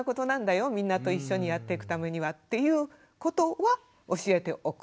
みんなと一緒にやっていくためにはということは教えておく。